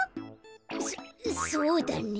そそうだね。